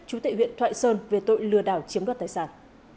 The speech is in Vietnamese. chủ tịch huyện thoại sơn về tội lừa đảo chiếm đoạt tài sản